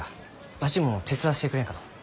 わしも手伝わせてくれんかのう？